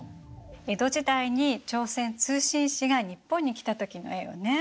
江戸時代に朝鮮通信使が日本に来た時の絵よね。